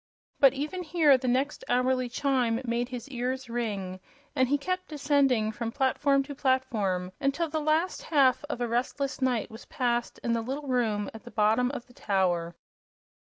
But even here the next hourly chime made his ears ring, and he kept descending from platform to platform until the last half of a restless night was passed in the little room at the bottom of the tower.